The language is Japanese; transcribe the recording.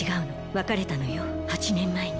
別れたのよ８年前に。